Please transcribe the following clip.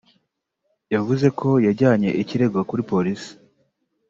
yavuze ko yajyanye ikirego kuri Polisi